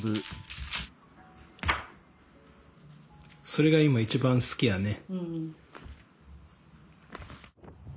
それが今一番好きやね。